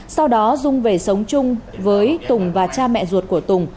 sau đó dung về sống chung với tùng và cha mẹ ruột của tùng